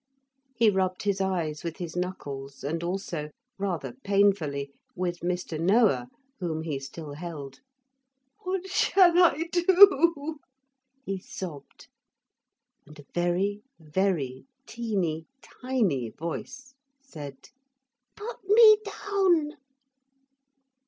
He rubbed his eyes with his knuckles and also rather painfully with Mr. Noah, whom he still held. 'What shall I do?' he sobbed. And a very very teeny tiny voice said: '~Put me down.